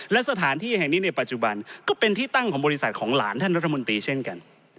และสถานที่แห่งนี้ในปัจจุบันก็เป็นที่ตั้งของบริษัทของหลานท่านรัฐมนตรีเช่นกัน